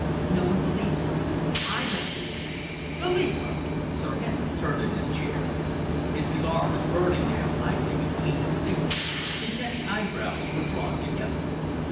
No one believes it. I don't believe it." "Philippa!" Sir Henry turned in his chair. His cigar was burning now idly between his fingers. His heavy eyebrows were drawn together.